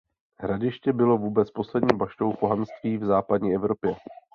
Hradiště bylo vůbec poslední baštou pohanství v západní Evropě.